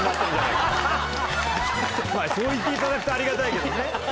まぁそう言っていただくとありがたいけどね。